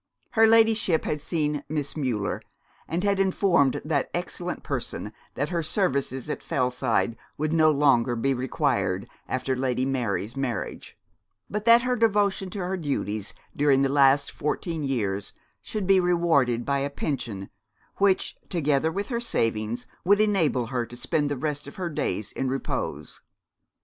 Her ladyship had seen Miss Müller, and had informed that excellent person that her services at Fellside would no longer be required after Lady Mary's marriage; but that her devotion to her duties during the last fourteen years should be rewarded by a pension which, together with her savings, would enable her to spend the rest of her days in repose.